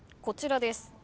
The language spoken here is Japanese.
こちらです。